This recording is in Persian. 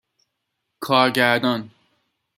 کارگردان